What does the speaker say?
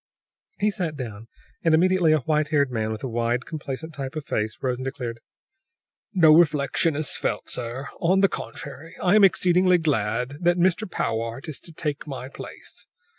He sat down, and immediately a white haired man with a wide, complacent type of face arose and declared: "No reflection is felt, sir. On the contrary, I am exceedingly glad that Mr. Powart is to take my place.